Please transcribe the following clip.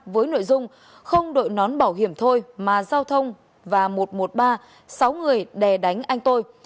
với nội dung không đội nón bảo hiểm thôi mà giao thông và một trăm một mươi ba sáu người đè đánh anh tôi